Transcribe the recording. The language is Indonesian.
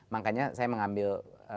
makanya saya mengambil